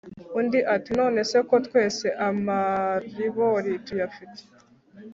Undi ati"nonese ko twese amaribori tuyafite